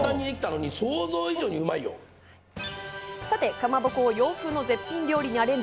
かまぼこを洋風の絶品料理にアレンジ。